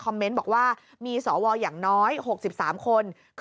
คอมเมนต์บอกว่ามีสวอย่างน้อยหกสิบสามคน